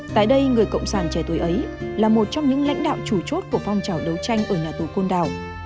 tại đây người cộng sản trẻ tuổi ấy là một trong những lãnh đạo chủ chốt của phong trào đấu tranh ở nhà tù côn đảo